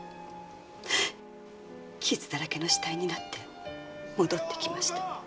傷だらけの死体で戻ってきました。